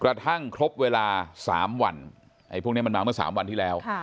กระทั่งครบเวลา๓วันไอ้พวกนี้มันมาเมื่อ๓วันที่แล้ว